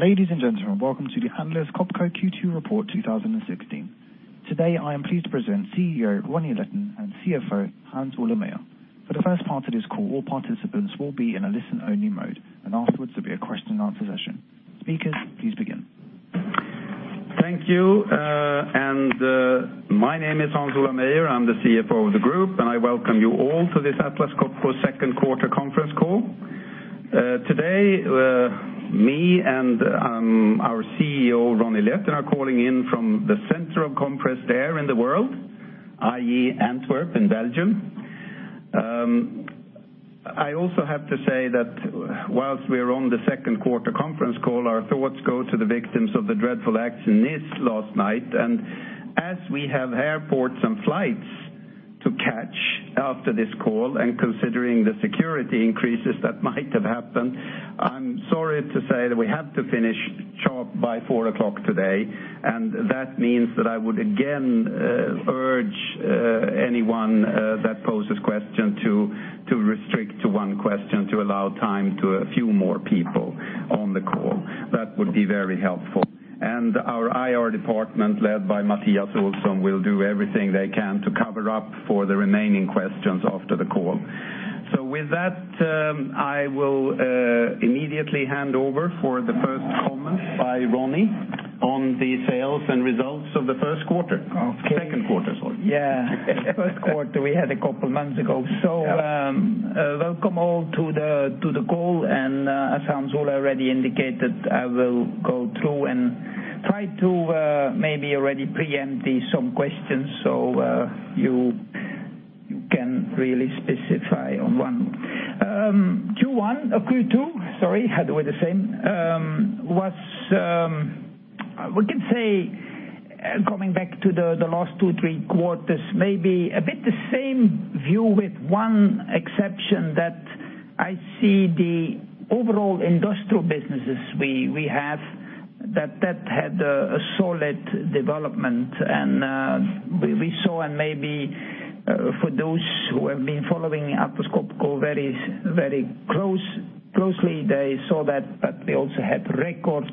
Ladies and gentlemen, welcome to the Atlas Copco Q2 Report 2016. Today, I am pleased to present CEO Ronnie Leten and CFO Hans Ola Meyer. For the first part of this call, all participants will be in a listen-only mode, and afterwards there will be a question and answer session. Speakers, please begin. Thank you. My name is Hans Ola Meyer. I am the CFO of the group, and I welcome you all to this Atlas Copco second quarter conference call. Today, me and our CEO, Ronnie Leten, are calling in from the center of compressed air in the world, i.e., Antwerp in Belgium. I also have to say that whilst we are on the second quarter conference call, our thoughts go to the victims of the dreadful acts in Nice last night. As we have airports and flights to catch after this call, and considering the security increases that might have happened, I am sorry to say that we have to finish sharp by 4:00 P.M. today. That means that I would, again, urge anyone that poses question to restrict to one question to allow time to a few more people on the call. That would be very helpful. Our IR department, led by Mattias Olsson, will do everything they can to cover up for the remaining questions after the call. With that, I will immediately hand over for the first comments by Ronnie on the sales and results of the first quarter. Second quarter, sorry. Yeah. First quarter we had a couple of months ago. Yeah. Welcome all to the call. As Hans Ola already indicated, I will go through and try to maybe already preempt some questions, so you can really specify on one. Q1 or Q2, sorry, they were the same, was, we can say, coming back to the last two, three quarters, maybe a bit the same view with one exception, that I see the overall industrial businesses we have, that had a solid development. We saw, and maybe for those who have been following Atlas Copco very closely, they saw that, they also had record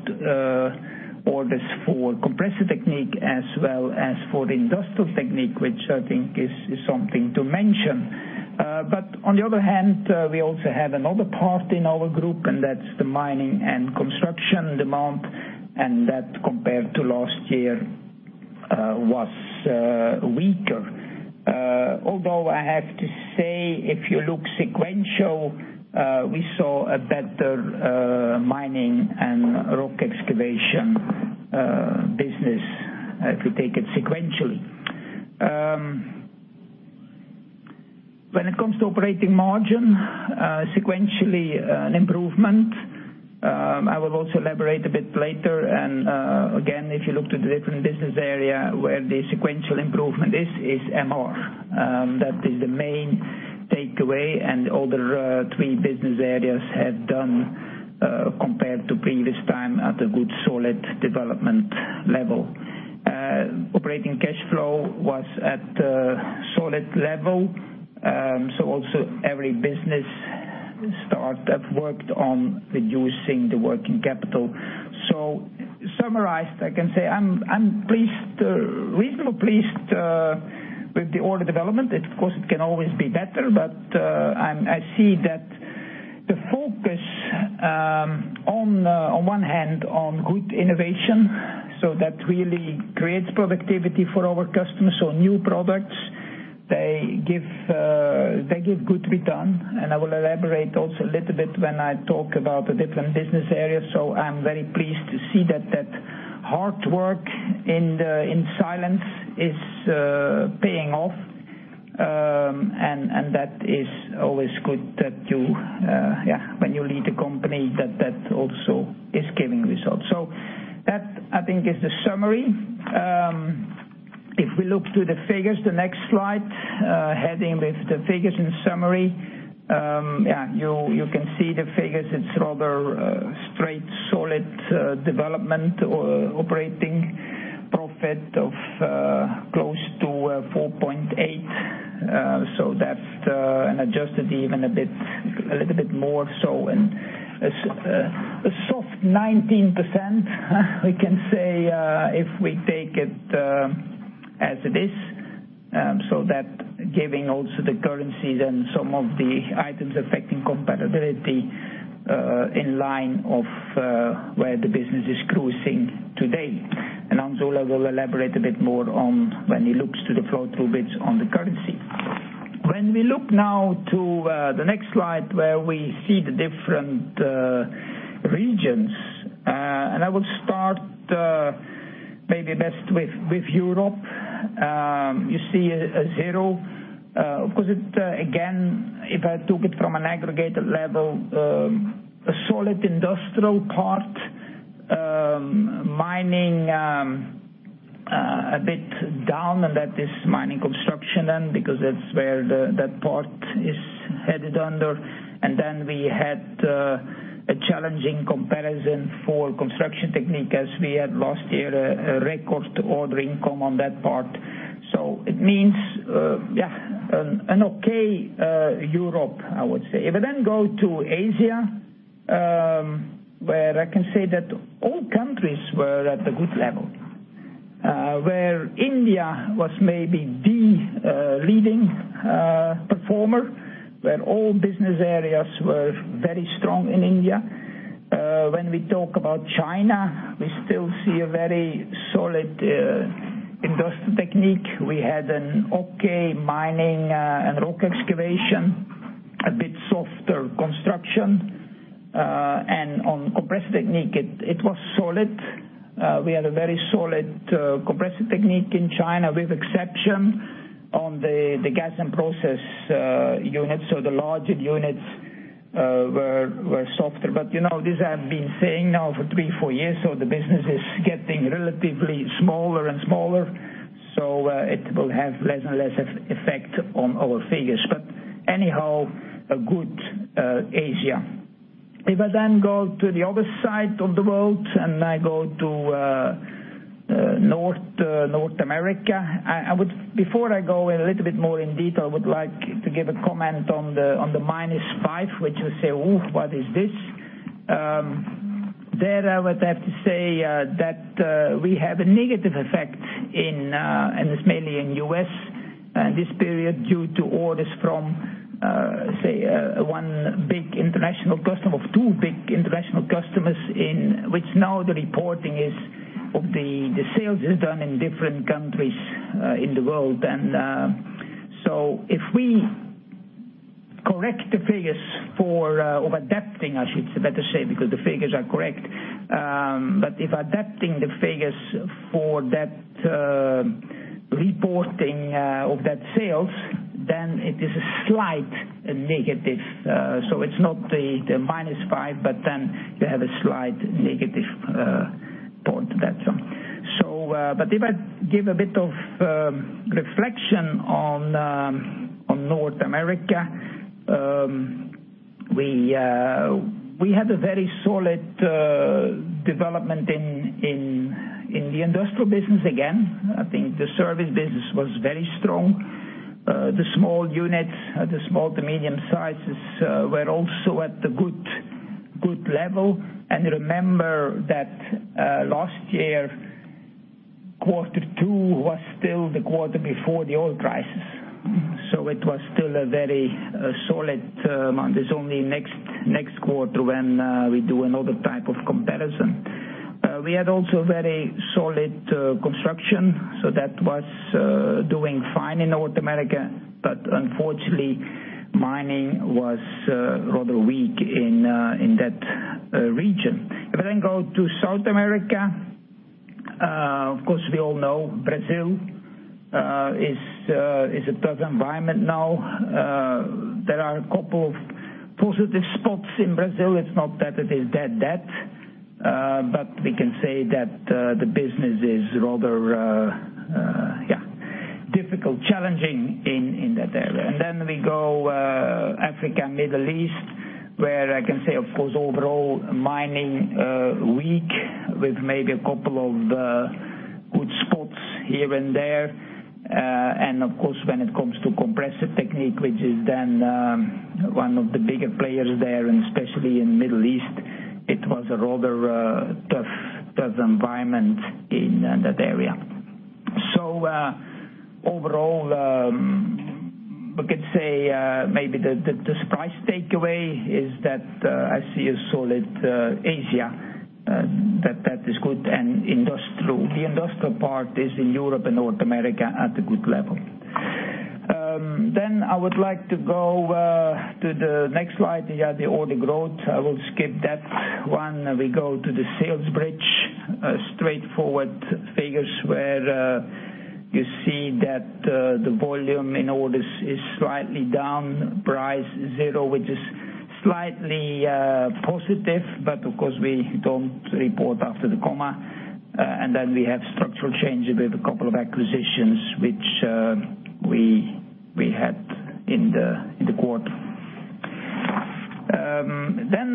orders for Compressor Technique as well as for Industrial Technique, which I think is something to mention. On the other hand, we also have another part in our group, and that's the mining and construction demand. That, compared to last year, was weaker. Although, I have to say, if you look sequential, we saw a better mining and rock excavation business, if you take it sequentially. When it comes to operating margin, sequentially an improvement. I will also elaborate a bit later. Again, if you look to the different business area where the sequential improvement is MR. That is the main takeaway, the other three business areas have done, compared to previous time, at a good, solid development level. Operating cash flow was at a solid level. Also, every business start that worked on reducing the working capital. Summarized, I can say I'm reasonably pleased with the order development. Of course, it can always be better, I see that the focus on one hand on good innovation, that really creates productivity for our customers. New products, they give good return, I will elaborate also a little bit when I talk about the different business areas. I'm very pleased to see that hard work in silence is paying off, that is always good, when you lead a company, that also is giving results. That, I think, is the summary. If we look to the figures, the next slide, heading with the figures in summary. You can see the figures. It's rather straight, solid development or operating profit of close to 4.8. Adjusted even a little bit more. A soft 19%, we can say, if we take it as it is. That giving also the currencies and some of the items affecting compatibility in line of where the business is cruising today. Hans Ola will elaborate a bit more on when he looks to the flow-through bits on the currency. When we look now to the next slide, where we see the different regions, I will start maybe best with Europe. You see a zero. Of course, again, if I took it from an aggregated level, a solid industrial part, mining a bit down, that is mining construction then, because that's where that part is headed under. We had a challenging comparison for Construction Technique as we had last year a record to order income on that part. It means, an okay Europe, I would say. I go to Asia, where I can say that all countries were at a good level. Where India was maybe the leading performer, where all business areas were very strong in India. When we talk about China, we still see a very solid Industrial Technique. We had an okay mining and rock excavation, a bit softer construction. On Compressor Technique, it was solid. We had a very solid Compressor Technique in China with exception on the gas and process units. The larger units were softer. This I've been saying now for three, four years, the business is getting relatively smaller and smaller. It will have less and less effect on our figures. Anyhow, a good Asia. I then go to the other side of the world, I go to North America. Before I go in a little bit more in detail, I would like to give a comment on the minus five, which you say, oh, what is this? I would have to say, that we have a negative effect. It's mainly in U.S. in this period due to orders from, say, one big international customer or two big international customers in which now the reporting of the sales is done in different countries in the world. If we correct the figures of adapting, I should better say, because the figures are correct. If adapting the figures for that reporting of that sales, then it is a slight negative. It's not the minus five, then you have a slight negative point to that. If I give a bit of reflection on North America. We had a very solid development in the industrial business, again. I think the service business was very strong. The small units, the small to medium sizes, were also at the good level. Remember that last year, quarter two was still the quarter before the oil crisis. It was still a very solid amount. It's only next quarter when we do another type of comparison. We had also very solid construction, that was doing fine in North America, unfortunately, mining was rather weak in that region. I go to South America. Of course, we all know Brazil is a tough environment now. There are a couple of positive spots in Brazil. It's not that it is dead, we can say that the business is rather difficult, challenging in that area. We go Africa and Middle East, where I can say, of course, overall mining weak with maybe a couple of good spots here and there. Of course, when it comes to Compressor Technique, which is one of the bigger players there, especially in Middle East, it was a rather tough environment in that area. Overall, we could say, maybe the surprise takeaway is that, I see a solid Asia, that is good and industrial. The industrial part is in Europe and North America at a good level. I would like to go to the next slide. Here, the order growth. I will skip that one, we go to the sales bridge. Straightforward figures where you see that the volume in orders is slightly down. Price zero, which is slightly positive, of course, we don't report after the comma. We have structural change with a couple of acquisitions which we had in the quarter.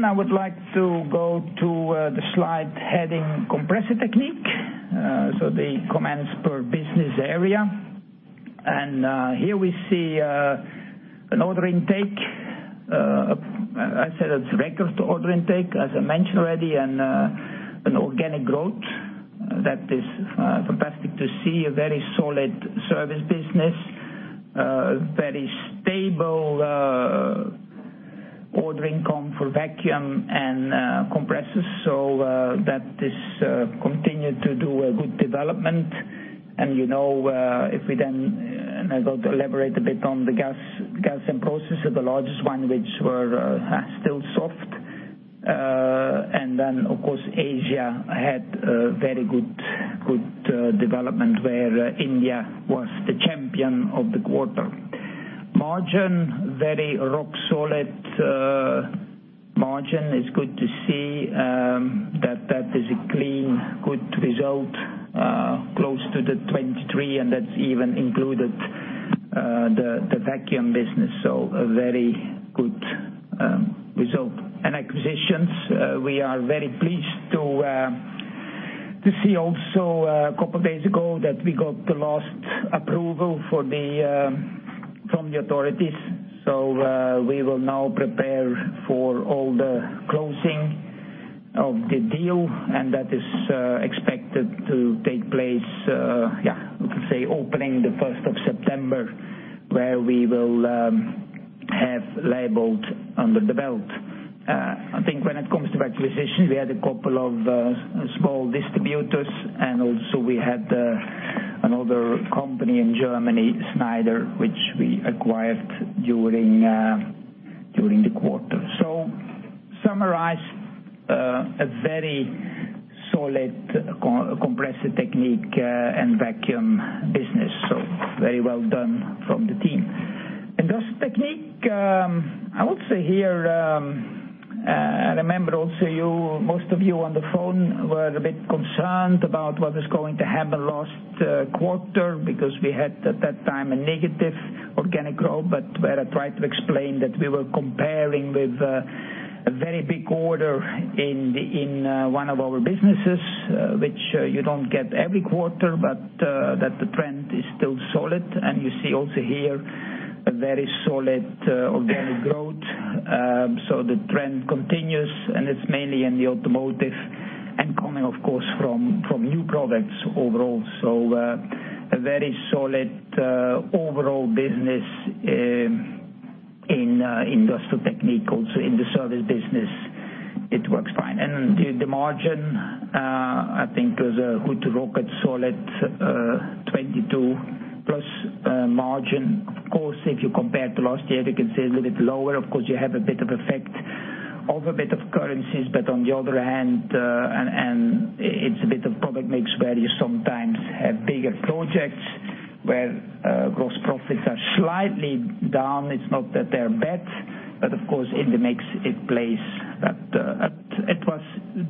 I would like to go to the slide heading, Compressor Technique. The comments per business area. Here we see an order intake. I said it's record order intake, as I mentioned already, and an organic growth that is fantastic to see, a very solid service business. Very stable ordering come for vacuum and compressors, that is continued to do a good development. If we then go to elaborate a bit on the gas and process are the largest one, which were still soft. Of course, Asia had a very good development where India was the champion of the quarter. Margin, very rock solid. Margin is good to see that that is a clean, good result, close to 23%, and that's even included the vacuum business. A very good result. Acquisitions, we are very pleased to see also, a couple days ago, that we got the last approval from the authorities. We will now prepare for all the closing of the deal, and that is expected to take place, we can say opening the 1st of September, where we will have Leybold under the belt. I think when it comes to acquisition, we had a couple of small distributors, and also we had another company in Germany, Schneider, which we acquired during the quarter. To summarize, a very solid Compressor Technique and vacuum business. Very well done from the team. Industrial Technique, I would say here, I remember also most of you on the phone were a bit concerned about what was going to happen last quarter, because we had, at that time, a negative organic growth. Where I tried to explain that we were comparing with a very big order in one of our businesses, which you don't get every quarter, but that the trend is still solid. You see also here, a very solid organic growth. The trend continues, and it's mainly in the automotive and coming, of course, from new products overall. A very solid overall business in Industrial Technique. Also in the service business, it works fine. The margin, I think, was a good look at solid 22-plus margin. Of course, if you compare to last year, you can say a little bit lower. Of course, you have a bit of effect of a bit of currencies. It's a bit of product mix where you sometimes have bigger projects where gross profits are slightly down. It's not that they're bad, but of course, in the mix it plays. It was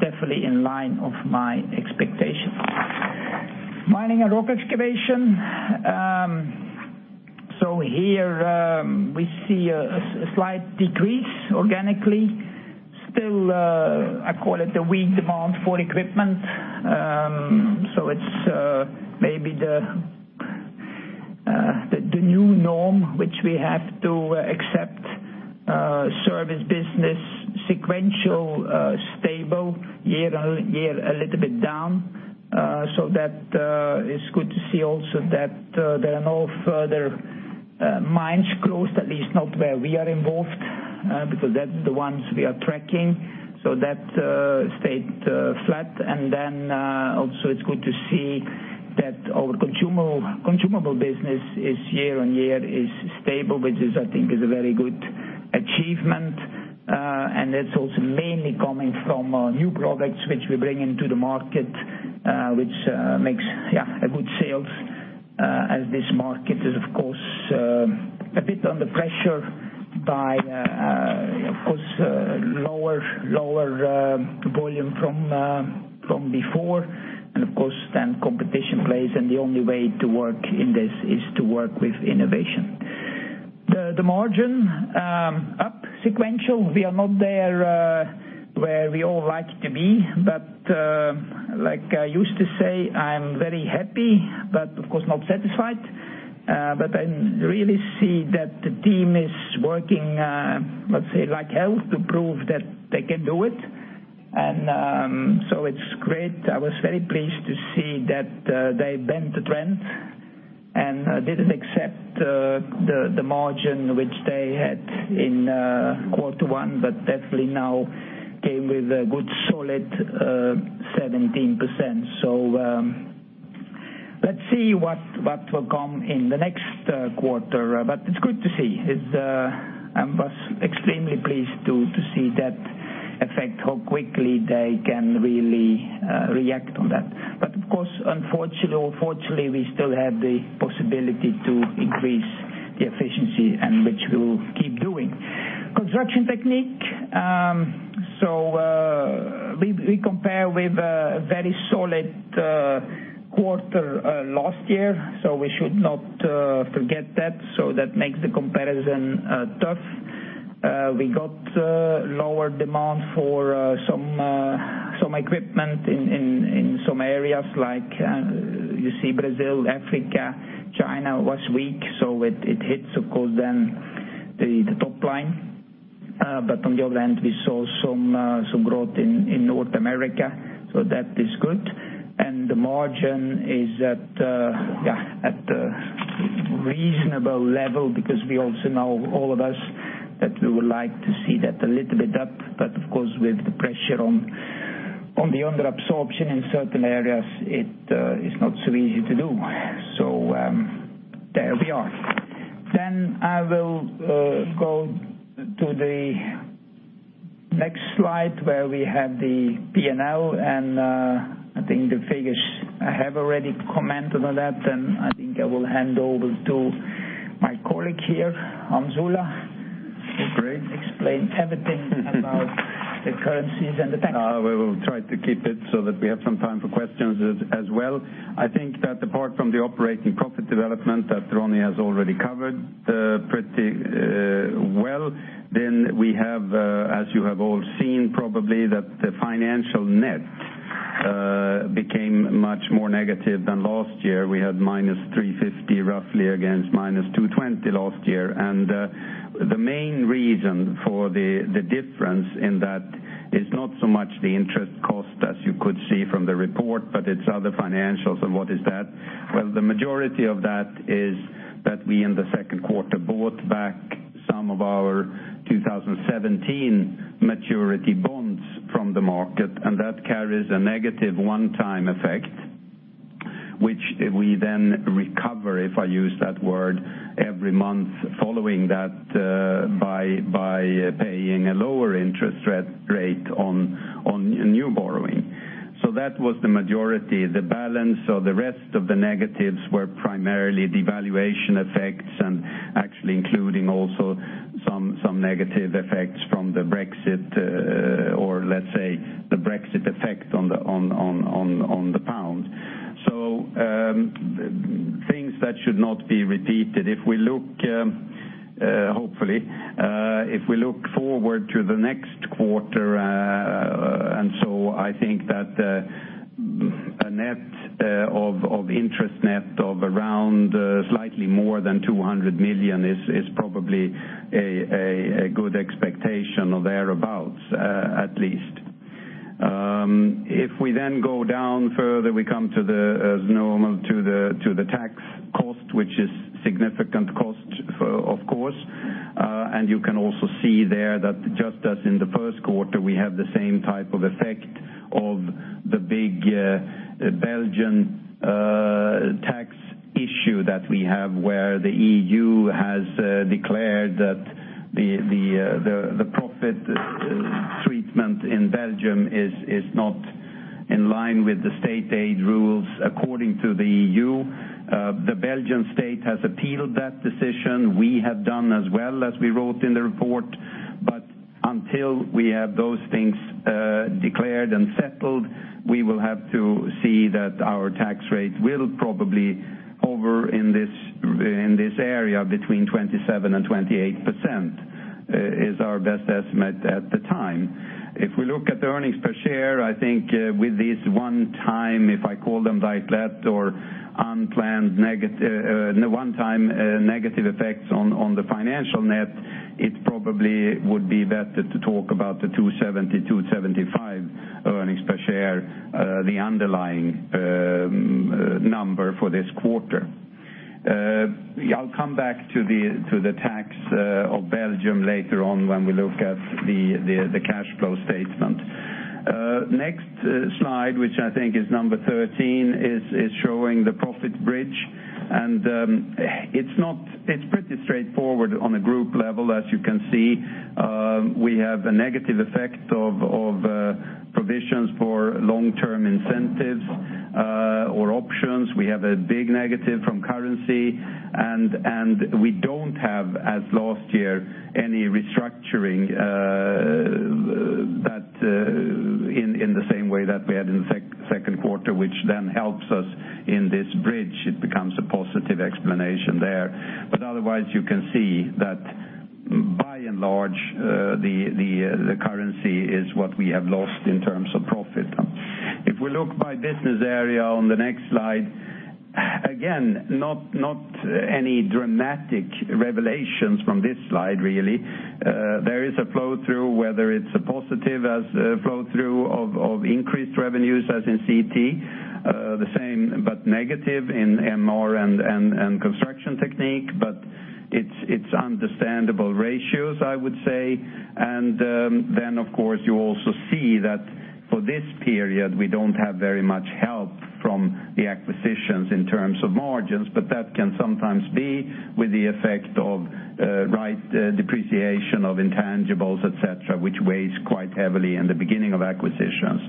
definitely in line of my expectation. Mining and Rock Excavation. Here we see a slight decrease organically. Still, I call it the weak demand for equipment. It's maybe the new norm which we have to accept. Service business, sequential stable. Year-on-year, a little bit down. That is good to see also that there are no further mines closed, at least not where we are involved, because that's the ones we are tracking. That stayed flat. It's good to see that our consumable business is, year-on-year, is stable, which I think is a very good achievement. That's also mainly coming from new products which we bring into the market, which makes good sales, as this market is, of course, a bit under pressure by, of course, lower volume from before. Of course, then competition plays, and the only way to work in this is to work with innovation. The margin, up sequential. We are not there where we all like to be, like I used to say, I'm very happy, but of course, not satisfied. I really see that the team is working, let's say, like hell to prove that they can do it. It's great. I was very pleased to see that they bent the trend and didn't accept the margin which they had in quarter one, but definitely now came with a good, solid 17%. Let's see what will come in the next quarter. It's good to see. I was extremely pleased to see that effect, how quickly they can really react on that. Of course, unfortunately or fortunately, we still have the possibility to increase the efficiency and which we'll keep doing. Construction Technique. We compare with a very solid quarter last year, we should not forget that. That makes the comparison tough. We got lower demand for some equipment in some areas like you see Brazil, Africa. China was weak, it hits, of course, then the top line. On the other hand, we saw some growth in North America, that is good. The margin is at a reasonable level because we also know, all of us, that we would like to see that a little bit up. Of course, with the pressure on the under absorption in certain areas, it is not so easy to do. There we are. I will go to the next slide where we have the P&L and I think the figures I have already commented on that, and I think I will hand over to my colleague here, Hans Ola. Great. Explain everything about the currencies and the banking. We will try to keep it so that we have some time for questions as well. I think that apart from the operating profit development that Ronnie has already covered pretty well, we have, as you have all seen, probably that the financial net became much more negative than last year. We had -350 roughly against -220 last year. The main reason for the difference in that is not so much the interest cost as you could see from the report, but it's other financials. What is that? The majority of that is that we, in the second quarter, bought back some of our 2017 maturity bonds from the market, and that carries a negative one-time effect, which we then recover, if I use that word, every month following that by paying a lower interest rate on new borrowing. That was the majority. The balance or the rest of the negatives were primarily devaluation effects and actually including also some negative effects from the Brexit, or let's say, the Brexit effect on the GBP. Things that should not be repeated. Hopefully, if we look forward to the next quarter, I think that a net of interest net of around slightly more than 200 million is probably a good expectation or thereabouts, at least. We come to the normal, to the tax cost, which is significant cost of course. You can also see there that just as in the first quarter, we have the same type of effect of the big Belgian tax issue that we have, where the EU has declared that the profit treatment in Belgium is not in line with the State aid rules according to the EU. The Belgian state has appealed that decision. We have done as well as we wrote in the report. Until we have those things declared and settled, we will have to see that our tax rate will probably hover in this area between 27%-28%, is our best estimate at the time. If we look at the earnings per share, I think with this one time, if I call them like that, or unplanned negative one-time negative effects on the financial net, it probably would be better to talk about the 2.70-2.75 earnings per share, the underlying number for this quarter. I'll come back to the tax of Belgium later on when we look at the cash flow statement. Next slide, which I think is number 13, is showing the profit bridge. It's pretty straightforward on a group level, as you can see. We have a negative effect of provisions for long-term incentives or options. We have a big negative from currency, we don't have, as last year, any restructuring in the same way that we had in the second quarter, which helps us in this bridge. It becomes a positive explanation there. Otherwise, you can see that by and large, the currency is what we have lost in terms of profit. If we look by business area on the next slide, again, not any dramatic revelations from this slide, really. There is a flow-through, whether it's a positive as a flow-through of increased revenues, as in CT. The same, negative in MR and Construction Technique, it's understandable ratios, I would say. You also see that for this period, we don't have very much help from the acquisitions in terms of margins, but that can sometimes be with the effect of right depreciation of intangibles, et cetera, which weighs quite heavily in the beginning of acquisitions.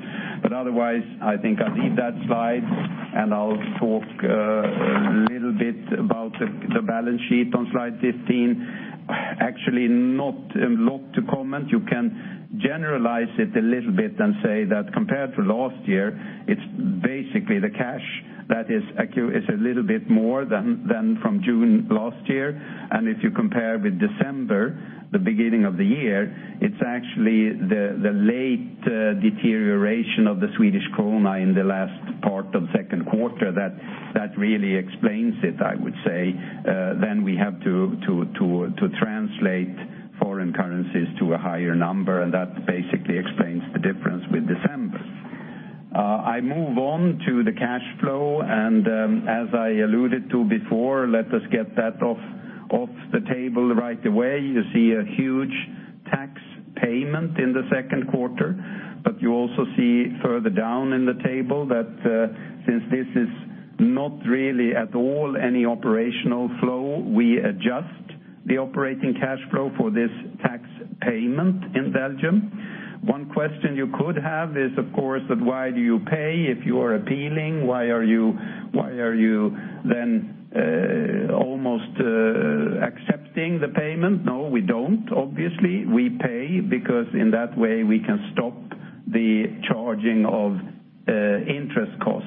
Otherwise, I think I'll leave that slide, and I'll talk a little bit about the balance sheet on slide 15. Actually, not a lot to comment. You can generalize it a little bit and say that compared to last year, it's basically the cash that is a little bit more than from June last year. If you compare with December, the beginning of the year, it's actually the late deterioration of the Swedish krona in the last part of second quarter that really explains it, I would say. We have to translate foreign currencies to a higher number, that basically explains the difference with December. I move on to the cash flow. Let us get that off the table right away. You see a huge tax payment in the second quarter, you also see further down in the table that since this is not really at all any operational flow, we adjust the operating cash flow for this tax payment in Belgium. One question you could have is of course, that why do you pay if you are appealing? Why are you then almost accepting the payment? No, we don't. Obviously, we pay because in that way we can stop the charging of interest cost.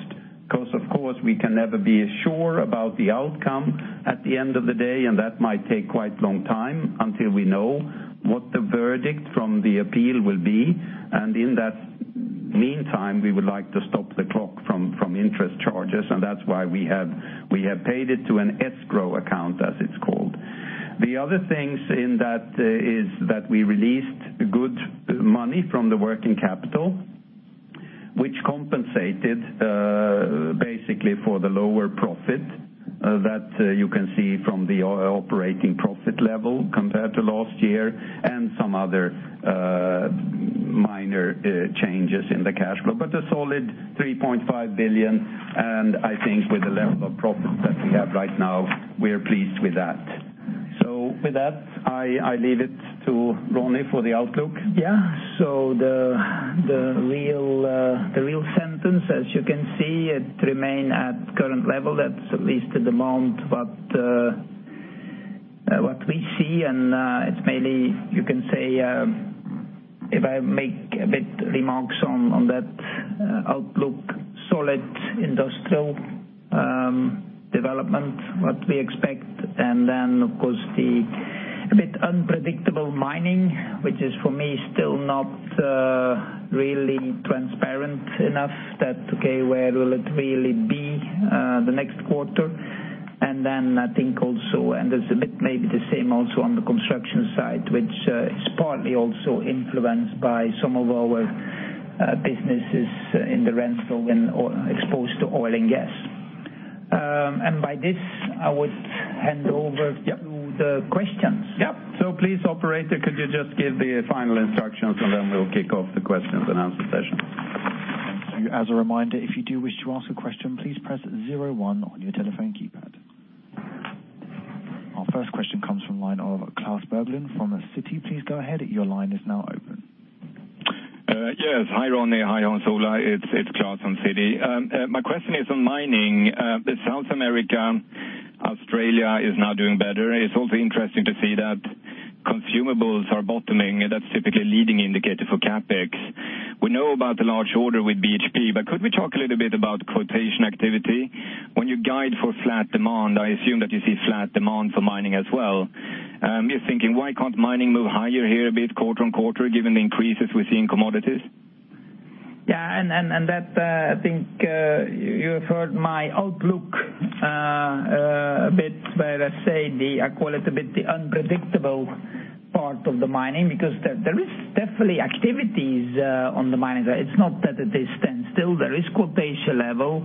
We can never be sure about the outcome at the end of the day, that might take quite a long time until we know what the verdict from the appeal will be. In that meantime, we would like to stop the clock from interest charges. That's why we have paid it to an escrow account, as it's called. The other things in that is that we released good money from the working capital, which compensated basically for the lower profit that you can see from the operating profit level compared to last year, and some other minor changes in the cash flow. A solid 3.5 billion, I think with the level of profit that we have right now, we are pleased with that. With that, I leave it to Ronnie for the outlook. The real sentence, as you can see, it remain at current level. That's at least at the moment what we see. It's mainly, you can say, if I make a bit remarks on that outlook, solid industrial development, what we expect. Of course the a bit unpredictable mining, which is for me, still not really transparent enough that, okay, where will it really be the next quarter? I think also, it's a bit maybe the same also on the construction side, which is partly also influenced by some of our businesses in the Renfrew exposed to oil and gas. By this, I would hand over to the questions. Yeah. Please, operator, could you just give the final instructions and then we'll kick off the questions and answer session. Thank you. As a reminder, if you do wish to ask a question, please press zero one on your telephone keypad. Our first question comes from line of Klas Bergelind from Citi. Please go ahead. Your line is now open. Yes. Hi, Ronnie. Hi, Hans Ola. It's Klas from Citi. My question is on mining. South America, Australia is now doing better. It's also interesting to see that consumables are bottoming, and that's typically a leading indicator for CapEx. We know about the large order with BHP, could we talk a little bit about quotation activity? When you guide for flat demand, I assume that you see flat demand for mining as well. I'm just thinking, why can't mining move higher here a bit quarter-on-quarter, given the increases we see in commodities? Yeah, that, I think, you have heard my outlook a bit where I say the, I call it a bit the unpredictable part of the mining, there is definitely activities on the mining. It's not that it is standstill. There is quotation level.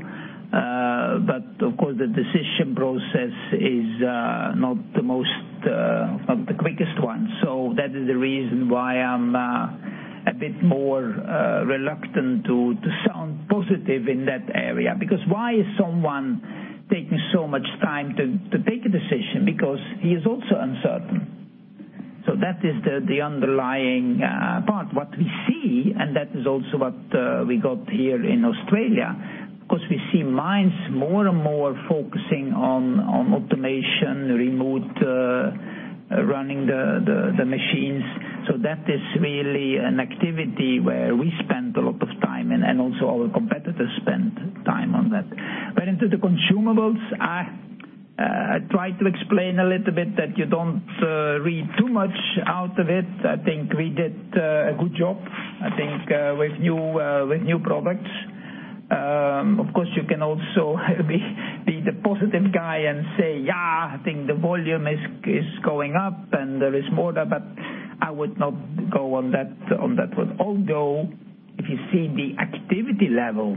Of course, the decision process is not the quickest one. That is the reason why I'm a bit more reluctant to sound positive in that area. Why is someone taking so much time to make a decision? He is also uncertain. That is the underlying part. What we see, and that is also what we got here in Australia, of course, we see mines more and more focusing on automation, remote running the machines. That is really an activity where we spend a lot of time, and also our competitors spend time on that. Into the consumables, I try to explain a little bit that you don't read too much out of it. I think we did a good job with new products. Of course, you can also be the positive guy and say, "Yeah, I think the volume is going up and there is more there," I would not go on that one. Although, if you see the activity level,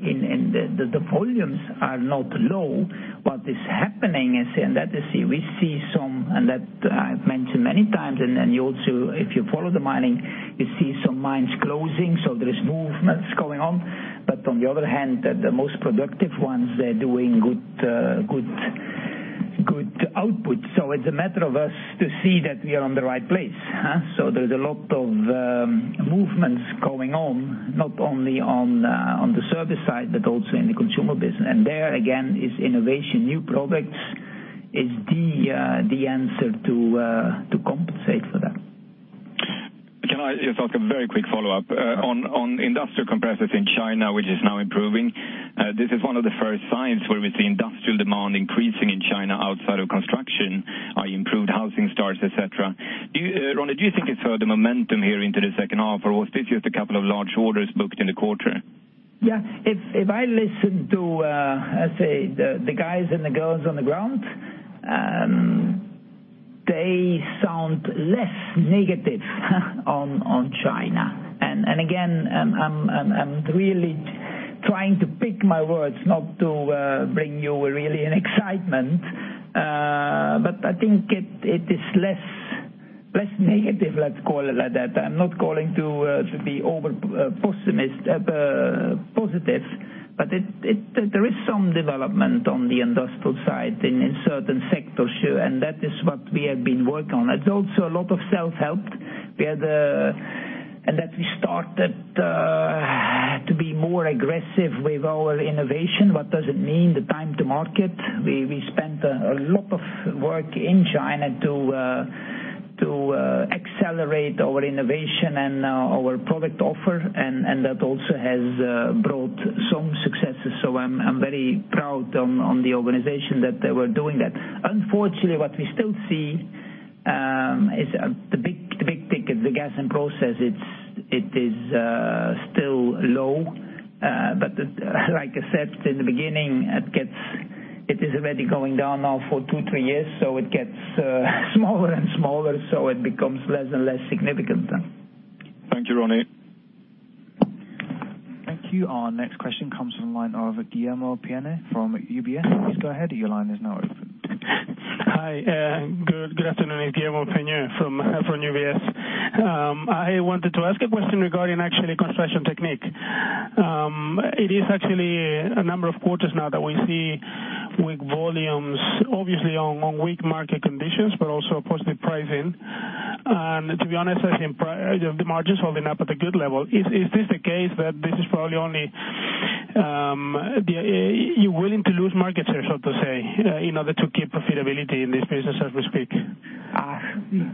the volumes are not low. What is happening is, that we see some, that I've mentioned many times, then you also, if you follow the mining, you see some mines closing. There is movements going on the other hand, the most productive ones, they're doing good output. It's a matter of us to see that we are on the right place. There's a lot of movements going on, not only on the service side, but also in the consumer business. There again, is innovation. New products is the answer to compensate for that. Can I just ask a very quick follow-up? Yeah. On industrial compressors in China, which is now improving. This is one of the first signs where we see industrial demand increasing in China outside of construction, improved housing starts, et cetera. Ronnie, do you think it's further momentum here into the second half? Or was this just a couple of large orders booked in the quarter? Yeah. If I listen to, let's say, the guys and the girls on the ground, they sound less negative on China. Again, I'm really trying to pick my words not to bring you really an excitement, but I think it is less negative, let's call it like that. I'm not calling to be over positive. There is some development on the industrial side in certain sectors, and that is what we have been working on. It's also a lot of self-help. We started to be more aggressive with our innovation. What does it mean? The time to market. We spent a lot of work in China to accelerate our innovation and our product offer, and that also has brought some successes. I'm very proud on the organization that they were doing that. Unfortunately, what we still see is the big ticket, the gas and process, it is still low. Like I said in the beginning, it is already going down now for two, three years, it gets smaller and smaller, it becomes less and less significant then. Thank you, Ronnie. Thank you. Our next question comes from the line of Guillermo Peñuela from UBS. Please go ahead. Your line is now open. Hi, good afternoon. Guillermo Peñuela from UBS. I wanted to ask a question regarding actually Construction Technique. It is actually a number of quarters now that we see weak volumes, obviously on weak market conditions, but also positive pricing. To be honest, I think the margins holding up at a good level. Is this the case that this is probably you're willing to lose market share, so to say, in order to keep profitability in this business as we speak?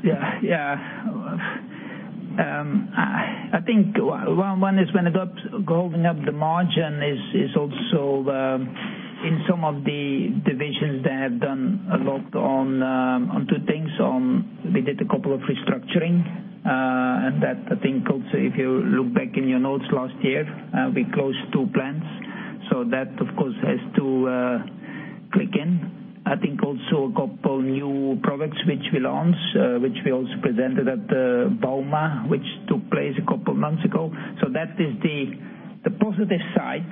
Yeah. I think one is when it got holding up the margin is also in some of the divisions they have done a lot on two things. They did a couple of restructuring, and that I think also, if you look back in your notes last year, we closed two plants. That, of course, has to click in. I think also a couple new products which we launched, which we also presented at the Bauma, which took place a couple months ago. That is the positive side.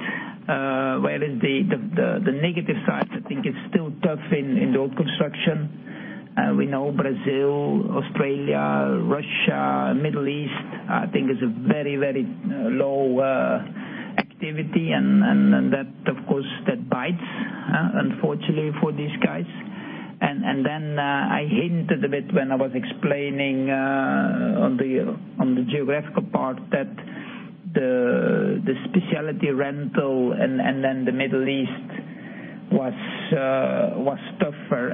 Whereas the negative side, I think it's still tough in road construction. We know Brazil, Australia, Russia, Middle East, I think is a very low activity and that, of course, that bites, unfortunately for these guys. Then I hinted a bit when I was explaining on the geographical part that the specialty rental and then the Middle East was tougher.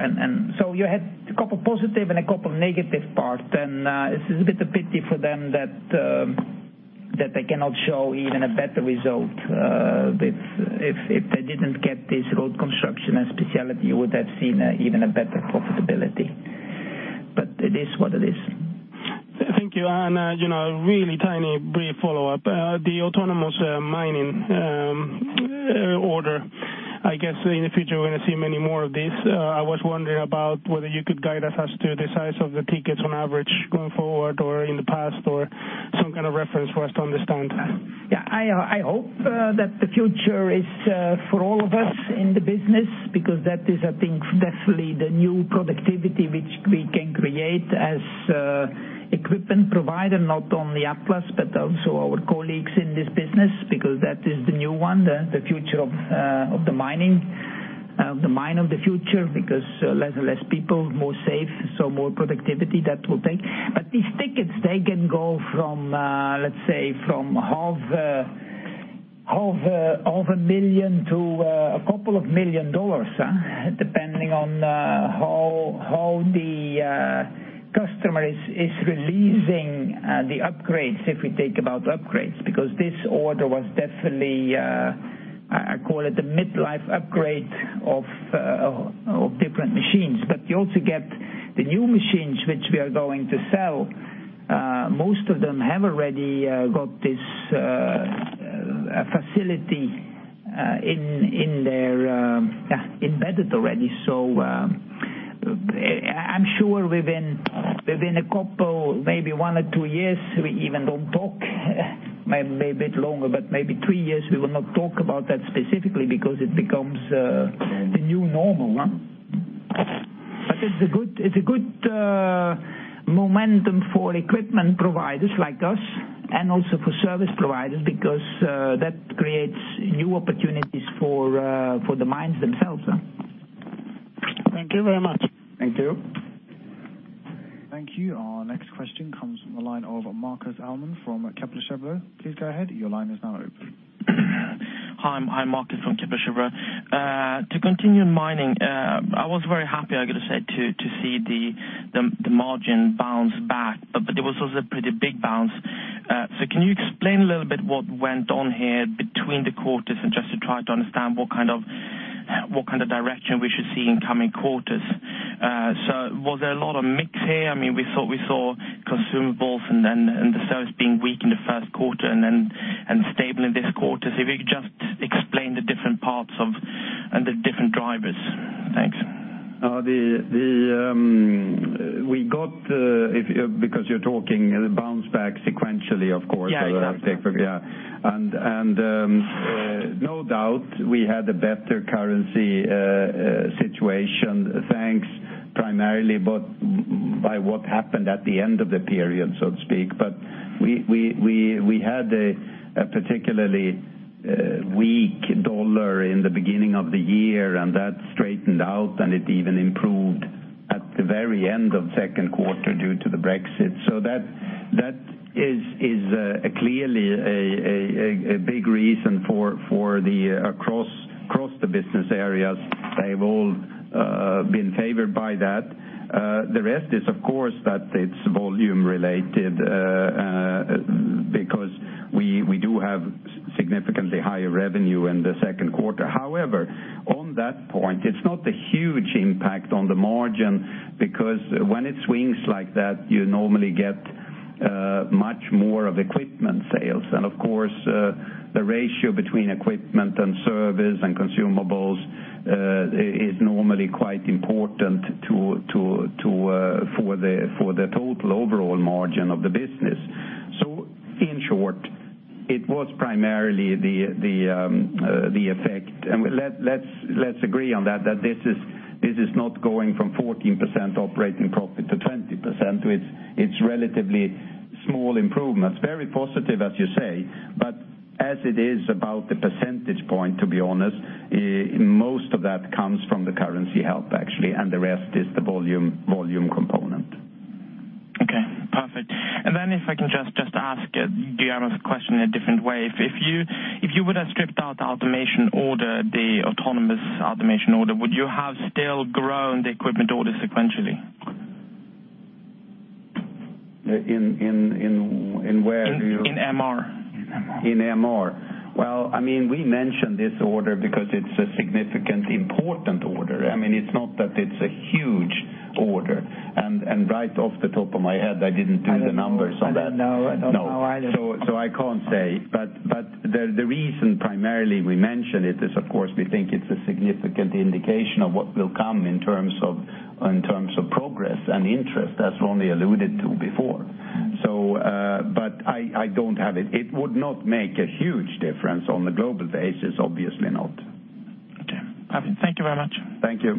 You had a couple positive and a couple negative parts. It's a bit of pity for them that they cannot show even a better result. If they didn't get this road construction and specialty, you would have seen even a better profitability. It is what it is. Thank you. A really tiny, brief follow-up. The autonomous mining order. I guess in the future, we're going to see many more of these. I was wondering about whether you could guide us as to the size of the tickets on average going forward or in the past or some kind of reference for us to understand. I hope that the future is for all of us in the business, because that is, I think, definitely the new productivity which we can create as equipment provider, not only Atlas, but also our colleagues in this business, because that is the new one, the future of the mining, the mine of the future, because less and less people, more safe, so more productivity that will take. These tickets, they can go from, let's say, from half a million to a couple of million SEK, depending on how the customer is releasing the upgrades, if we think about upgrades. Because this order was definitely, I call it the midlife upgrade of different machines. You also get the new machines which we are going to sell. Most of them have already got this facility embedded already. I'm sure within a couple, maybe one or two years, we even don't talk, maybe a bit longer, but maybe three years, we will not talk about that specifically because it becomes the new normal. It's a good momentum for equipment providers like us, and also for service providers, because that creates new opportunities for the mines themselves. Thank you very much. Thank you. Thank you. Our next question comes from the line of Markus Almerud from Kepler Cheuvreux. Please go ahead. Your line is now open. Hi, I'm Markus from Kepler Cheuvreux. To continue mining, I was very happy, I got to say, to see the margin bounce back. It was also a pretty big bounce. Can you explain a little bit what went on here between the quarters and just to try to understand what kind of direction we should see in coming quarters? Was there a lot of mix here? We thought we saw consumables and the service being weak in the first quarter and stable in this quarter. If you could just explain the different parts and the different drivers. Thanks. You're talking bounce back sequentially, of course. Yeah, exactly. No doubt, we had a better currency situation, thanks primarily by what happened at the end of the period, so to speak. We had a particularly weak USD in the beginning of the year, and that straightened out, and it even improved at the very end of second quarter due to the Brexit. That is clearly a big reason for across the business areas, they have all been favored by that. The rest is, of course, that it is volume related, because we do have significantly higher revenue in the second quarter. However, on that point, it is not a huge impact on the margin because when it swings like that, you normally get much more of equipment sales. Of course, the ratio between equipment and service and consumables, is normally quite important for the total overall margin of the business. In short, it was primarily the effect. Let's agree on that this is not going from 14% operating profit to 20%, it is relatively small improvements. Very positive, as you say, but as it is about the percentage point, to be honest, most of that comes from the currency help, actually, and the rest is the volume component. Okay. Perfect. If I can just ask, do you answer the question in a different way? If you would have stripped out the automation order, the autonomous automation order, would you have still grown the equipment order sequentially? In where? In MR. In MR. Well, we mentioned this order because it's a significant, important order. It's not that it's a huge order. Right off the top of my head, I didn't do the numbers on that. I don't know. No. I can't say. The reason primarily we mentioned it is, of course, we think it's a significant indication of what will come in terms of progress and interest, as Ronnie alluded to before. I don't have it. It would not make a huge difference on the global basis, obviously not. Okay. Thank you very much. Thank you.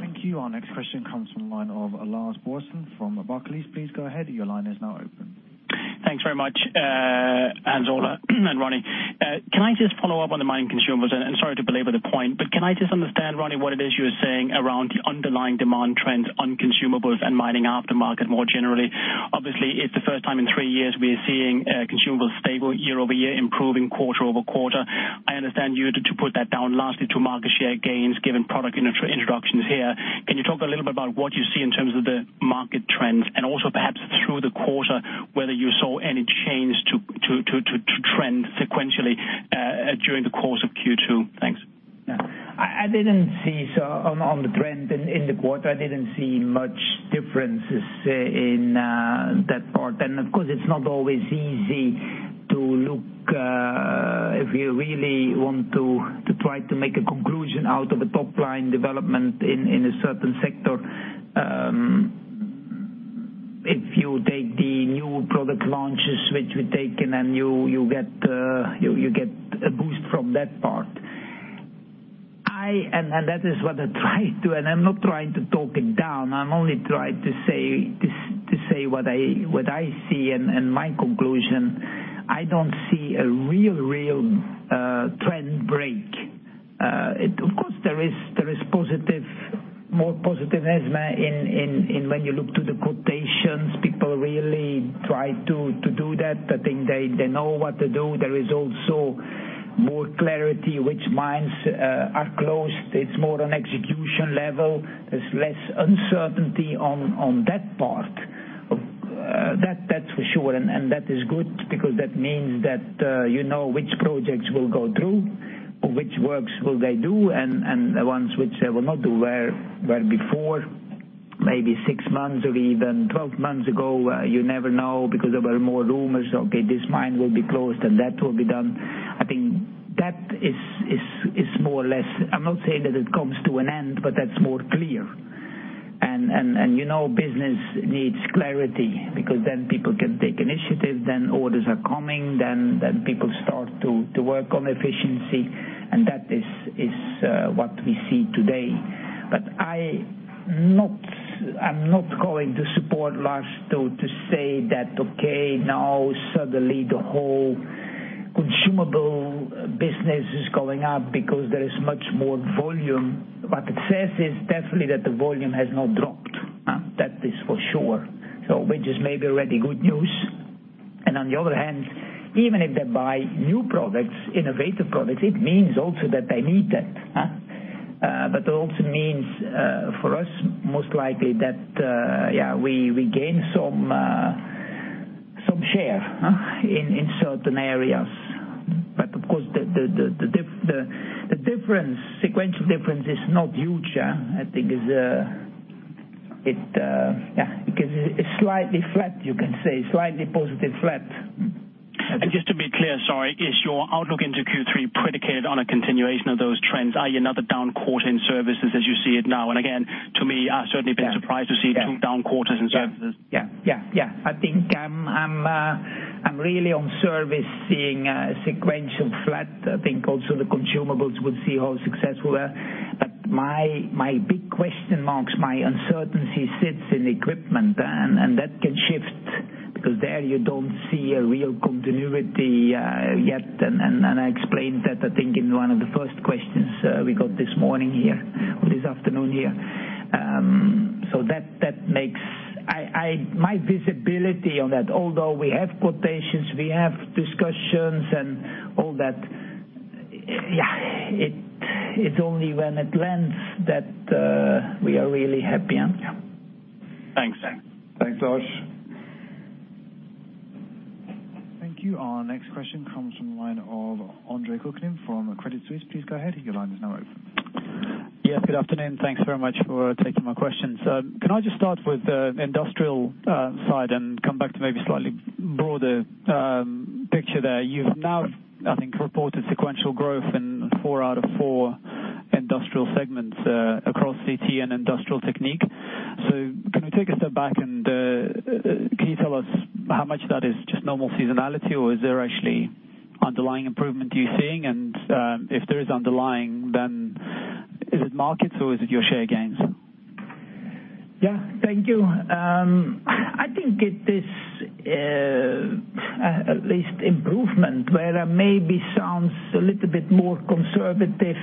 Thank you. Our next question comes from the line of Lars Brorson from Barclays. Please go ahead. Your line is now open. Thanks very much, Hans Ola and Ronnie. Can I just follow up on the mining consumables? Sorry to belabor the point, but can I just understand, Ronnie, what it is you're saying around the underlying demand trends on consumables and mining aftermarket more generally? Obviously, it's the first time in three years we are seeing consumables stable year-over-year, improving quarter-over-quarter. I understand you to put that down largely to market share gains given product introductions here. Can you talk a little bit about what you see in terms of the market trends and also perhaps through the quarter, whether you saw any change to trend sequentially, during the course of Q2? Thanks. I didn't see so on the trend in the quarter, I didn't see much differences in that part. Of course, it's not always easy to look, if you really want to try to make a conclusion out of a top-line development in a certain sector. If you take the new product launches, which we've taken, and you get a boost from that part. That is what I try to, and I'm not trying to talk it down, I'm only trying to say what I see and my conclusion. I don't see a real trend break. Of course, there is more positivism in when you look to the quotations, people really try to do that. I think they know what to do. There is also more clarity which mines are closed. It's more on execution level. There's less uncertainty on that part. That's for sure, and that is good because that means that you know which projects will go through, which works will they do, and the ones which they will not do. Where before, maybe 6 months or even 12 months ago, you never know because there were more rumors. Okay, this mine will be closed, and that will be done. I think that is more or less, I'm not saying that it comes to an end, but that's more clear. Business needs clarity because then people can take initiative, then orders are coming, then people start to work on efficiency, and that is what we see today. I'm not going to support Lars to say that, okay, now suddenly the whole consumable business is going up because there is much more volume. What it says is definitely that the volume has not dropped. That is for sure. Which is maybe already good news. On the other hand, even if they buy new products, innovative products, it means also that they need that. It also means, for us, most likely that, yeah, we gain some share in certain areas. Of course, the sequential difference is not huge. I think it's slightly flat, you can say. Slightly positive flat. Just to be clear, sorry, is your outlook into Q3 predicated on a continuation of those trends, i.e. another down quarter in services as you see it now? Again, to me, I'd certainly been surprised to see two down quarters in services. I think I'm really on service seeing sequential flat. I think also the consumables will see how successful we are. My big question marks, my uncertainty sits in equipment, and that can shift because there you don't see a real continuity yet. I explained that, I think, in one of the first questions we got this afternoon here. My visibility on that, although we have quotations, we have discussions and all that, it's only when it lands that we are really happy. Thanks. Thanks, Lars. Thank you. Our next question comes from the line of Andre Kuklin from Credit Suisse. Please go ahead, your line is now open. Good afternoon. Thanks very much for taking my questions. Can I just start with the industrial side and come back to maybe slightly broader picture there? You've now, I think, reported sequential growth in four out of four industrial segments across CT and Industrial Technique. Can we take a step back and can you tell us how much that is just normal seasonality, or is there actually underlying improvement you're seeing? If there is underlying, then is it markets or is it your share gains? Yeah. Thank you. I think it is at least improvement where I maybe sounds a little bit more conservative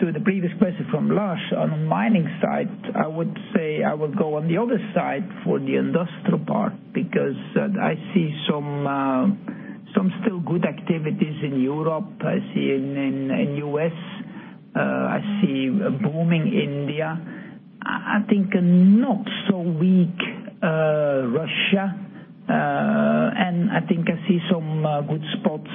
to the previous question from Lars. On the mining side, I would say I would go on the other side for the industrial part, because I see some still good activities in Europe. I see in U.S. I see booming India. I think a not so weak Russia. I think I see some good spots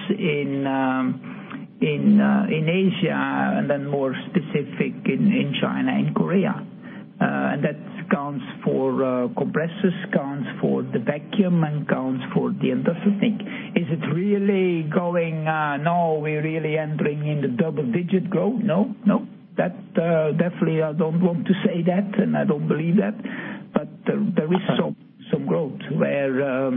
in Asia, and then more specific in China and Korea. That counts for compressors, counts for the vacuum, and counts for the industrial thing. Is it really going, no, we really entering in the double-digit growth? No. That definitely I don't want to say that, and I don't believe that. There is some growth where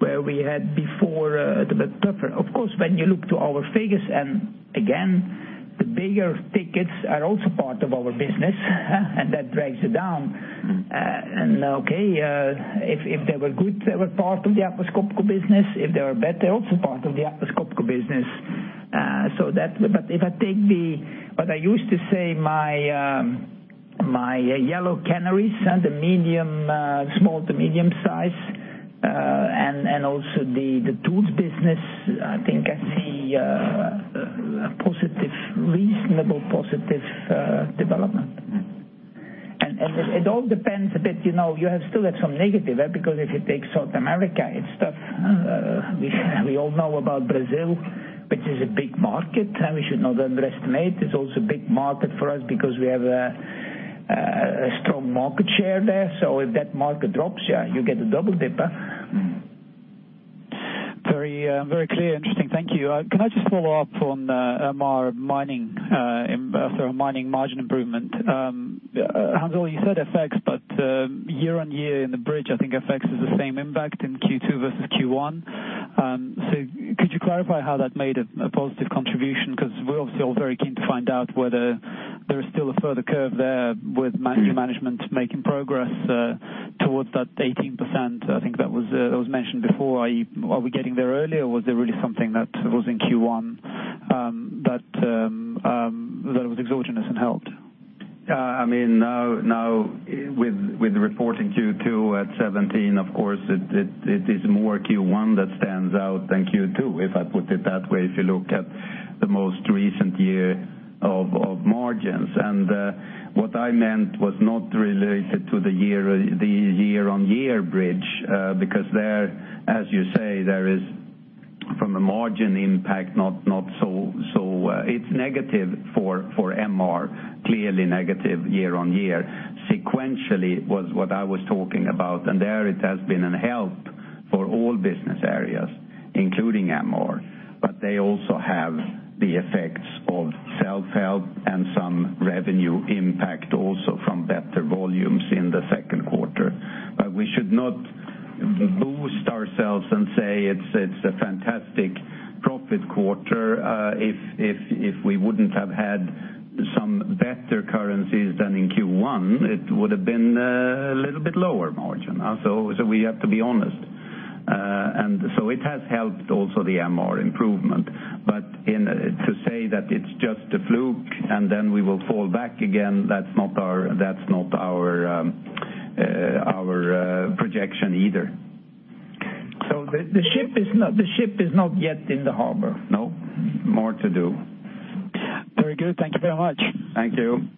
we had before a little bit tougher. Of course, when you look to our figures, and again, the bigger tickets are also part of our business and that drags it down. Okay, if they were good, they were part of the Atlas Copco business. If they were bad, they're also part of the Atlas Copco business. If I take the, what I used to say my yellow canaries and the small to medium-size, and also the tools business, I think I see a reasonable positive development. It all depends a bit, you have still had some negative, because if you take South America, it's tough. We all know about Brazil, which is a big market, and we should not underestimate. It's also a big market for us because we have a strong market share there. If that market drops, yeah, you get a double dipper. Very clear. Interesting. Thank you. Can I just follow up on more mining margin improvement? Hans Ola, you said effects, but year-on-year in the bridge, I think effects is the same impact in Q2 versus Q1. Could you clarify how that made a positive contribution? We're obviously all very keen to find out whether there is still a further curve there with management making progress towards that 18%. I think that was mentioned before. Are we getting there early or was there really something that was in Q1 that was exogenous and helped? Now with reporting Q2 at 17%, of course, it is more Q1 that stands out than Q2, if I put it that way, if you look at the most recent year of margins. What I meant was not related to the year-on-year bridge, because there, as you say, there is from a margin impact, it's negative for MR, clearly negative year-on-year. Sequentially was what I was talking about. There it has been a help for all business areas, including MR. They also have the effects of self-help and some revenue impact also from better volumes in the second quarter. We should not boost ourselves and say it's a fantastic profit quarter. If we wouldn't have had some better currencies than in Q1, it would have been a little bit lower margin. We have to be honest. It has helped also the MR improvement. To say that it's just a fluke and then we will fall back again, that's not our projection either. The ship is not yet in the harbor. No. More to do. Very good. Thank you very much. Thank you.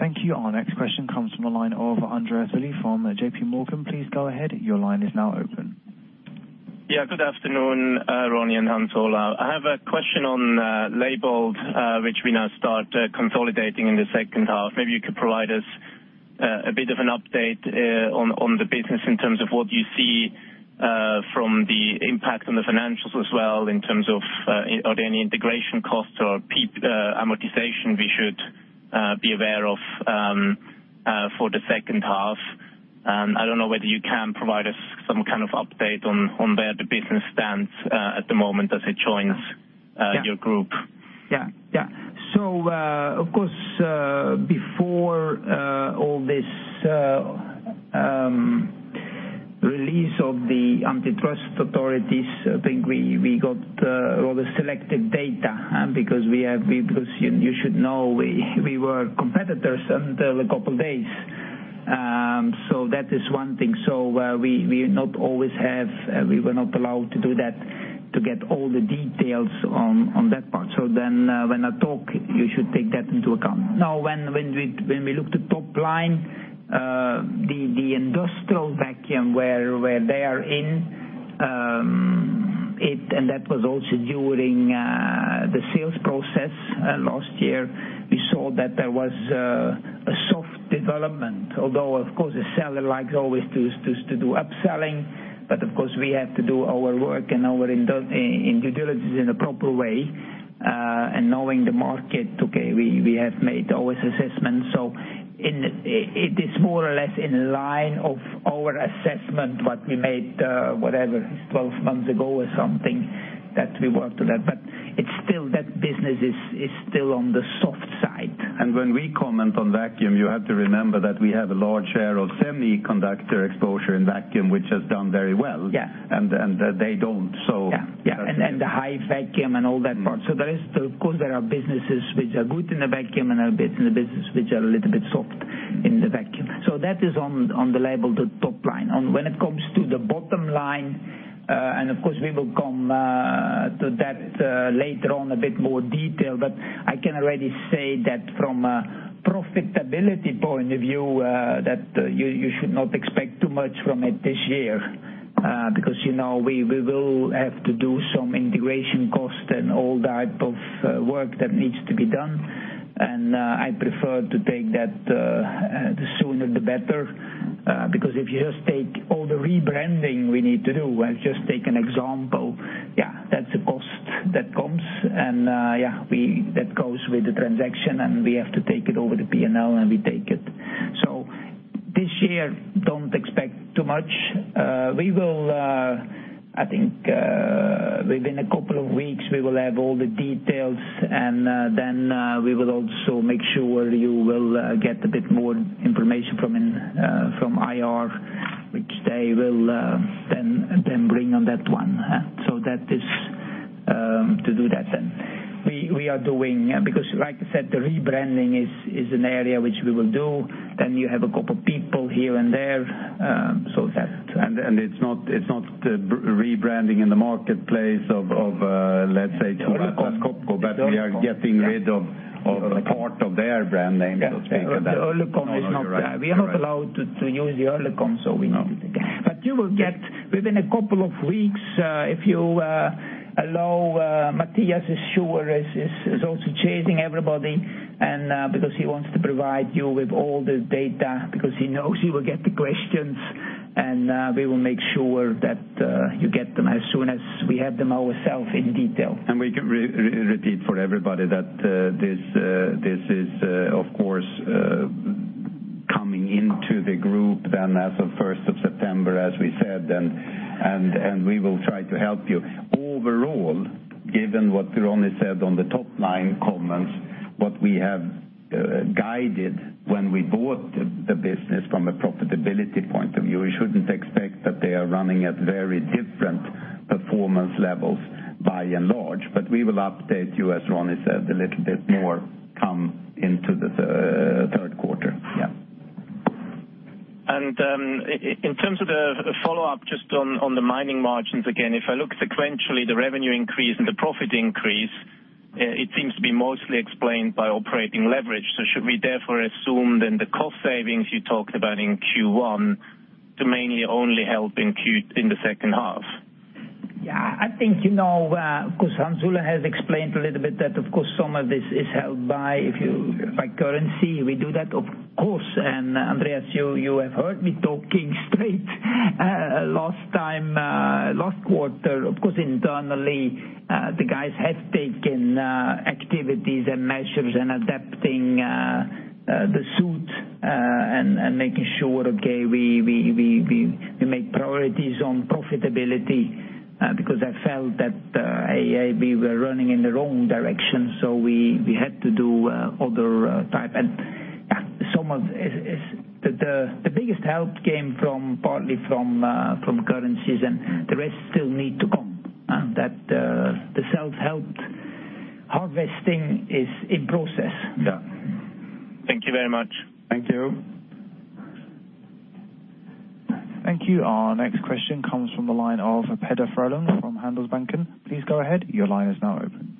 Thank you. Our next question comes from the line of Andreas Thulesius from J.P. Morgan. Please go ahead. Your line is now open. Yeah. Good afternoon. Ronnie and Hans, hello. I have a question on Leybold, which we now start consolidating in the second half. Maybe you could provide us a bit of an update on the business in terms of what you see from the impact on the financials as well, in terms of are there any integration costs or amortization we should be aware of for the second half? I do not know whether you can provide us some kind of update on where the business stands at the moment as it joins your group. Yeah. Of course, before all this release of the antitrust authorities, I think we got all the selected data, because you should know we were competitors until a couple days. That is one thing. We were not allowed to do that, to get all the details on that part. When I talk, you should take that into account. When we look at the top line, the industrial vacuum where they are in, and that was also during the sales process last year, we saw that there was a soft development, although of course the seller likes always to do upselling, but of course we have to do our work and our due diligence in a proper way. Knowing the market, okay, we have made always assessments, it is more or less in line of our assessment, what we made, whatever, 12 months ago or something, that we worked on that. That business is still on the soft side. When we comment on vacuum, you have to remember that we have a large share of semiconductor exposure in vacuum, which has done very well. Yeah. They don't. Yeah. The high vacuum and all that part. Of course there are businesses which are good in the vacuum and there are business which are a little bit soft in the vacuum. That is on the Leybold, the top line. When it comes to the bottom line, of course we will come to that later on a bit more detail, but I can already say that from a profitability point of view, that you should not expect too much from it this year. We will have to do some integration cost and all type of work that needs to be done. I prefer to take that, the sooner the better, because if you just take all the rebranding we need to do, I'll just take an example. Yeah, that's a cost that comes and that goes with the transaction and we have to take it over the P&L and we take it. This year, don't expect too much. I think within a couple of weeks, we will have all the details and then, we will also make sure you will get a bit more information from IR, which they will then bring on that one. That is to do that then. Like I said, the rebranding is an area which we will do, then you have a couple people here and there, so that. It's not rebranding in the marketplace of, let's say to Atlas Copco- Oerlikon We are getting rid of a part of their brand name, so to speak. The Oerlikon is not. No, you're right. We are not allowed to use the Oerlikon, so we don't. You will get, within a couple of weeks, if you allow, Mattias is also chasing everybody and because he wants to provide you with all the data, because he knows he will get the questions, and we will make sure that you get them as soon as we have them ourself in detail. We can repeat for everybody that this is, of course, coming into the group then as of 1st of September, as we said, and we will try to help you. Overall, given what Ronnie said on the top line comments, what we have guided when we bought the business from a profitability point of view, you shouldn't expect that they are running at very different performance levels by and large. We will update you, as Ronnie said, a little bit more come into the third quarter. Yeah. In terms of the follow-up just on the mining margins again, if I look sequentially, the revenue increase and the profit increase, it seems to be mostly explained by operating leverage. Should we therefore assume then the cost savings you talked about in Q1 to mainly only help in the second half? I think, of course Hans Ola has explained a little bit that of course some of this is held by currency. We do that, of course. Andreas, you have heard me talking straight last time, last quarter. Of course internally, the guys have taken activities and measures and adapting the suit, and making sure, okay, we make priorities on profitability, because I felt that we were running in the wrong direction, so we had to do other type. The biggest help came partly from currencies and the rest still need to come. The self-help harvesting is in process. Thank you very much. Thank you. Thank you. Our next question comes from the line of Peter Björklund from Handelsbanken. Please go ahead. Your line is now open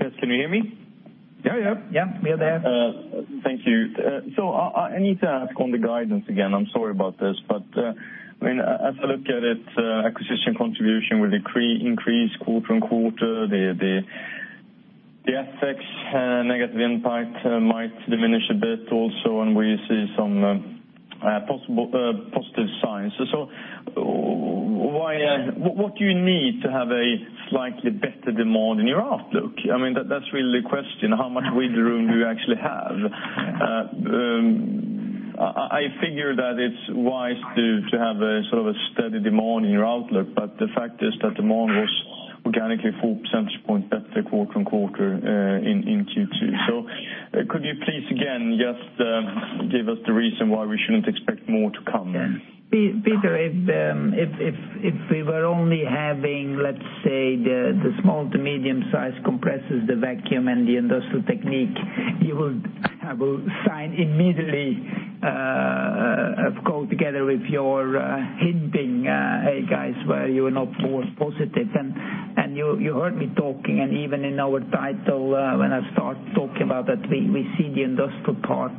Yes, can you hear me? Yeah. We are there. Thank you. I need to ask on the guidance again, I'm sorry about this, but as I look at it, acquisition contribution will increase quarter-on-quarter. The EBIT negative impact might diminish a bit also, and we see some possible positive signs. What do you need to have a slightly better demand in your outlook? That's really the question. How much wiggle room do you actually have? I figure that it's wise to have a steady demand in your outlook, but the fact is that demand was organically four percentage points better quarter-on-quarter, in Q2. Could you please, again, just give us the reason why we shouldn't expect more to come? Peter, if we were only having, let's say, the small to medium size compressors, the vacuum and the Industrial Technique, I will sign immediately, go together with your hinting, hey, guys, where you are not more positive. You heard me talking, and even in our title, when I start talking about that we see the industrial part.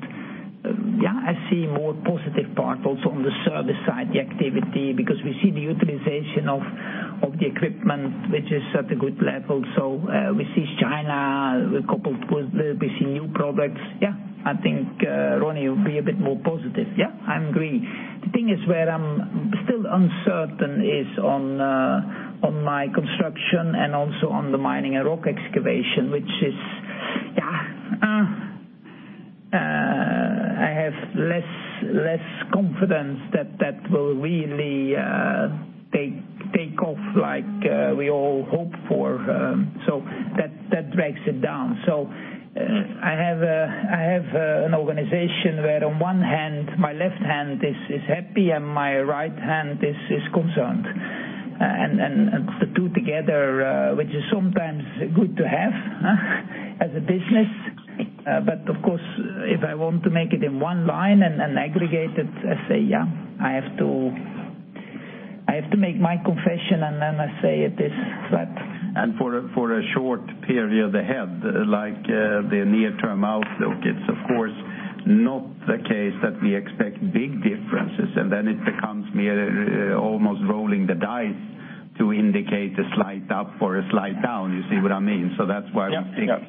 I see more positive part also on the service side, the activity, because we see the utilization of the equipment, which is at a good level. We see China, we see new products. I think, Ronnie will be a bit more positive. I agree. The thing is where I'm still uncertain is on my Construction and also on the Mining and Rock Excavation, which is, I have less confidence that that will really take off like we all hope for. That drags it down. I have an organization where on one hand, my left hand is happy, and my right hand is concerned. The two together, which is sometimes good to have as a business, but of course, if I want to make it in one line and aggregate it, I have to make my confession, I say it is flat. For a short period ahead, like the near-term outlook, it's of course not the case that we expect big differences, it becomes almost rolling the dice to indicate a slight up or a slight down. You see what I mean? That's why we stick- Yeah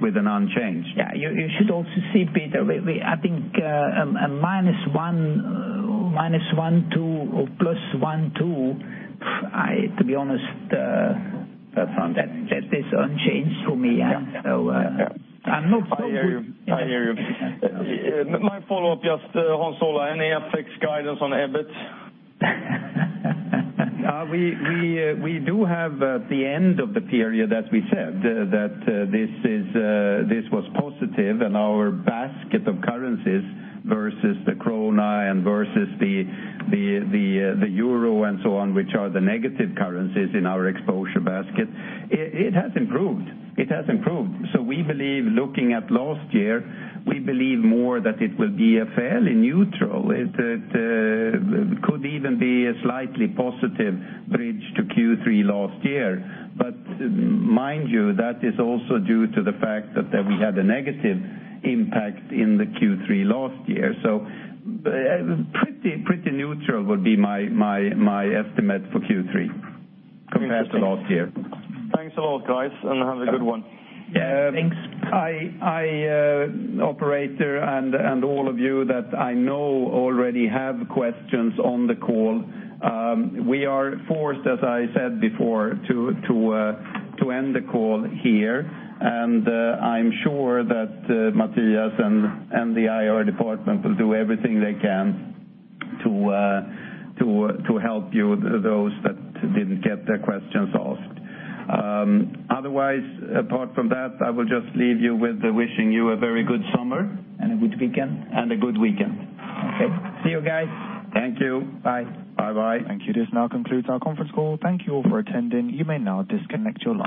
with an unchanged. You should also see, Peter, I think a minus one, two, or plus one, two, to be honest, that is unchanged for me. Yeah. I'm not so good. I hear you. My follow-up, just Hans Ola, any effects guidance on EBIT? We do have the end of the period, as we said, that this was positive, and our basket of currencies versus the krona and versus the euro and so on, which are the negative currencies in our exposure basket, it has improved. We believe, looking at last year, we believe more that it will be fairly neutral. It could even be a slightly positive bridge to Q3 last year. Mind you, that is also due to the fact that we had a negative impact in the Q3 last year. Pretty neutral would be my estimate for Q3 compared to last year. Thanks a lot, guys, and have a good one. Yeah, thanks. I, operator, and all of you that I know already have questions on the call. We are forced, as I said before, to end the call here. I'm sure that Mattias and the IR department will do everything they can to help you, those that didn't get their questions asked. Otherwise, apart from that, I will just leave you with wishing you a very good summer. A good weekend. A good weekend. Okay. See you guys. Thank you. Bye. Bye-bye. Thank you. This now concludes our conference call. Thank you all for attending. You may now disconnect your line.